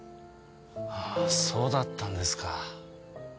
ああそうだったんですか。